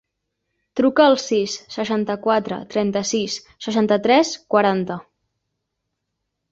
Truca al sis, seixanta-quatre, trenta-sis, seixanta-tres, quaranta.